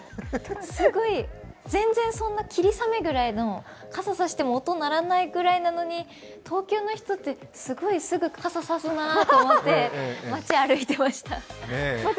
すごい全然そんな霧雨ぐらいの傘差しても音鳴らないぐらいなのに、東京の人ってすごいすぐ傘差すなと思って街を歩いてました。